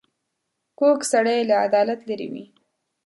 کوږ سړی له عدالت لیرې وي